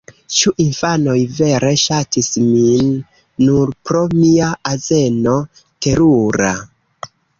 Ĉu infanoj vere ŝatis min nur pro mia azeno? Terura.